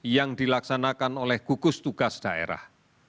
yang dilaksanakan oleh gugus tugas daerah